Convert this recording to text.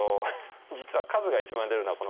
実は数が一番出るのはこの。